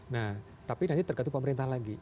nah tapi nanti tergantung pemerintah lagi